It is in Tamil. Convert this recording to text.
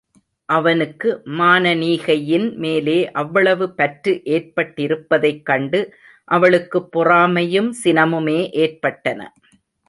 அவனுக்கு மானனீகையின் மேலே அவ்வளவு பற்று ஏற்பட்டிருப்பதைக் கண்டு அவளுக்குப் பொறாமையும் சினமுமே ஏற்பட்டன.